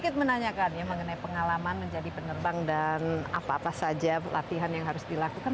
sedikit menanyakan ya mengenai pengalaman menjadi penerbang dan apa apa saja latihan yang harus dilakukan